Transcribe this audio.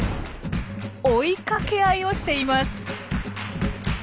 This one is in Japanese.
追いかけ合いをしています。